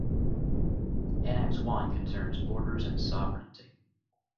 Annex One concerns borders and sovereignty.